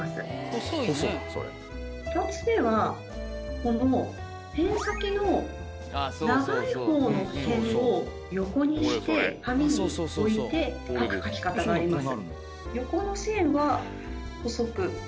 このペン先の長いほうの辺を横にして紙に置いて書く書き方があります。